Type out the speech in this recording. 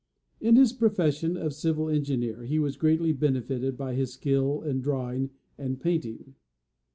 In his profession of civil engineer he was greatly benefitted by his skill in drawing and painting.